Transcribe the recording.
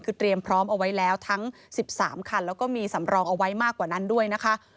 คือเตรียมพร้อมเอาไว้แล้วทั้ง๑๓คันแล้วก็มีสำรองเอาไว้มากกว่านั้นด้วยนะคะ